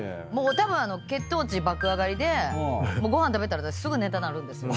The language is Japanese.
たぶん血糖値爆上がりでご飯食べたら私すぐ寝たなるんですよ。